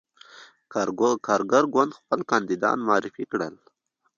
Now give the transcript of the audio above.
کارګر ګوند خپل کاندیدان معرفي کړل.